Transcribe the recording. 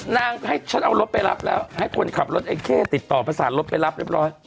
ให้ฉันเอารถไปรับแล้วให้คนขับรถไอ้เข้ติดต่อประสานรถไปรับเรียบร้อย